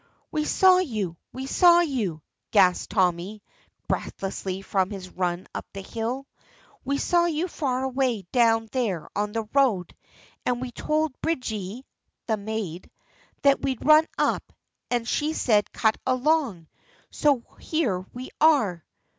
"We saw you, we saw you!" gasps Tommy, breathless from his run up the hill: "we saw you far away down there on the road, and we told Bridgie" (the maid) "that we'd run up, and she said 'cut along,' so here we are."